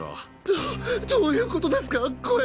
どどういうことですかこれ。